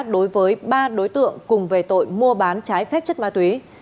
đối với ba đối tượng cùng về tội mua bán trái phép chất ma túy